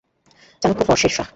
Chanakya for Sher Shah.